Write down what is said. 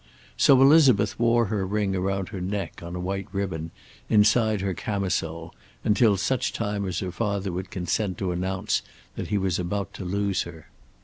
So Elizabeth wore her ring around her neck on a white ribbon, inside her camisole, until such time as her father would consent to announce that he was about to lose her.